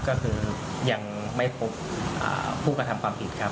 ก็คือยังไม่พบผู้กระทำความผิดครับ